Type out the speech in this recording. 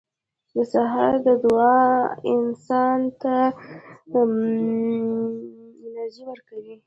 • د سهار دعا انسان ته انرژي ورکوي.